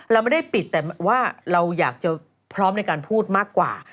เราไม่ได้ปิดแต่ว่าเราอยากจะพร้อมในการพูดมากกว่า